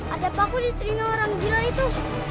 ada paku di telinga orang gila itu